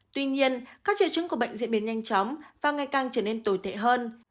tuy nhiên các triệu chứng của bệnh diễn biến nhanh chóng và ngày càng trở nên tồi tệ hơn